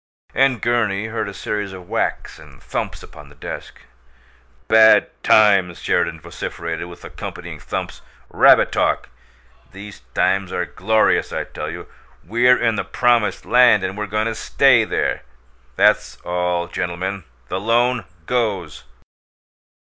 And Gurney heard a series of whacks and thumps upon the desk. "'Bad times'!" Sheridan vociferated, with accompanying thumps. "Rabbit talk! These times are glorious, I tell you! We're in the promised land, and we're goin' to STAY there! That's all, gentlemen. The loan goes!"